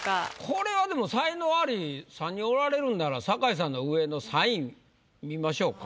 これはでも才能アリ３人おられるんなら酒井さんの上の３位見ましょうか。